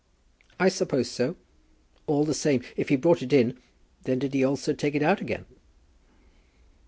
"I suppose so; all the same, if he brought it in, then did he also take it out again."